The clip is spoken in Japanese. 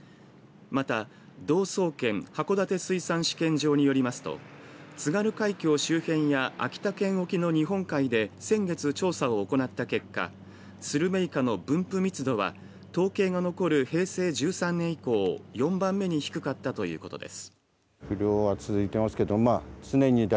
また道総研函館水産試験場によりますと津軽海峡周辺や秋田県沖の日本海で先月調査を行った結果スルメイカの分布密度は統計が残る平成１３年以降４番目に低かったということです。